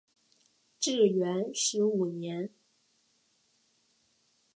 至元十五年。